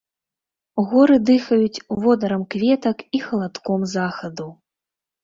Горы дыхаюць водарам кветак і халадком захаду.